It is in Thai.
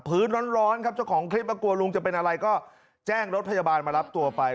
พื้นร้อนครับเจ้าของคลิปมากลัวลุงจะเป็นอะไรก็แจ้งรถพยาบาลมารับตัวไป